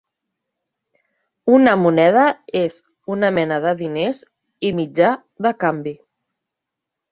Una moneda és una mena de diners i mitjà de canvi.